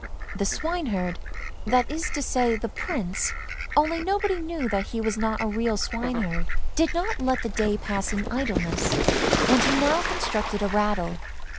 The swineherd — that is to say, the Prince, only nobody knew that he was not a real swineherd — did not let the day pass in idleness, and he now constructed a rattle.